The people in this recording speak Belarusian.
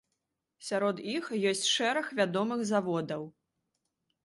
Сярод іх ёсць шэраг вядомых заводаў.